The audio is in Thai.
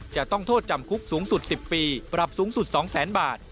จะต้องโทษจำคุกสูงสุด๑๐ปีปรับสูงสุด๒แสนบาท